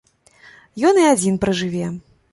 Ён і адзін пражыве.